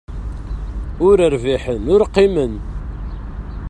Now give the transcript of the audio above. Ur rbiḥen ur qqimen.